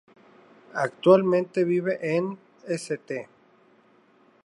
Actualmente vive en St.